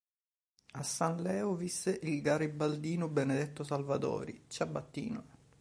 A San Leo visse il garibaldino Benedetto Salvatori, ciabattino.